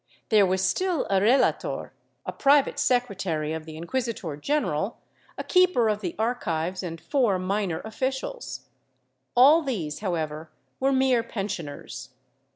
There was still a relator, a private secretary of the inquisitor general, a keeper of the archives, and four minor officials. All these, however, were mere pensioners.